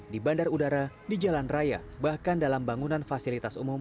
di bandar udara di jalan raya bahkan dalam bangunan fasilitas umum